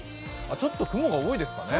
ちょっと雲が多いですかね。